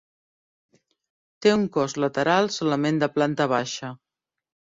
Té un cos lateral solament de planta baixa.